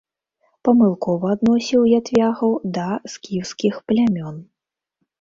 Памылкова адносіў ятвягаў да скіфскіх плямён.